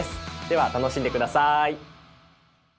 では楽しんで下さい。